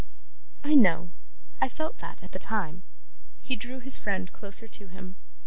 'I know. I felt that, at the time.' He drew his friend closer to him.